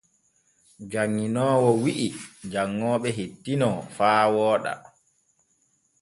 Janŋinoowo wi’i janŋooɓe hettino faa wooɗa.